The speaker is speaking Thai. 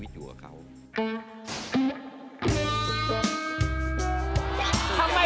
เกิดวันเสาร์ครับ